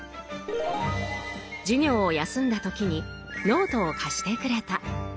授業を休んだ時にノートを貸してくれた。